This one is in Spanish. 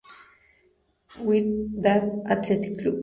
Wydad Athletic Club